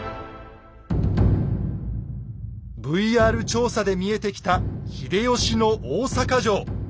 ＶＲ調査で見えてきた秀吉の大坂城。